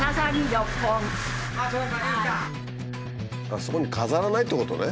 あそこに飾らないってことね。